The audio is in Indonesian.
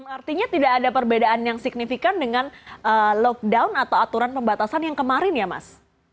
artinya tidak ada perbedaan yang signifikan dengan lockdown atau aturan pembatasan yang kemarin ya mas